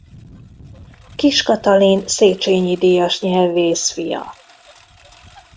Kiss Katalin Széchenyi-díjas nyelvész fia.